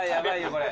これ。